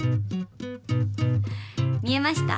見えました？